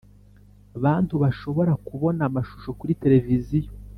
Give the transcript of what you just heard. bantu bashobora kubona amashusho kuri television